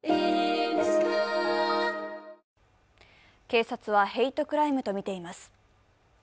警察はヘイトクライムとみています。